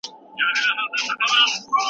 خو بې پروايي ستونزې جوړوي.